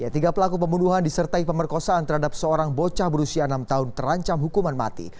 tiga pelaku pembunuhan disertai pemerkosaan terhadap seorang bocah berusia enam tahun terancam hukuman mati